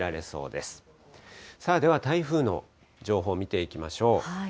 では台風の情報見ていきましょう。